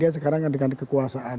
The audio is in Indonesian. sekarang dengan kekuasaan